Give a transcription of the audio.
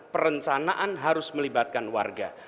perencanaan harus melibatkan warga